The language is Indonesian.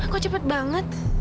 kok cepat banget